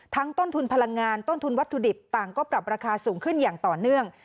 ต้นทุนพลังงานต้นทุนวัตถุดิบต่างก็ปรับราคาสูงขึ้นอย่างต่อเนื่อง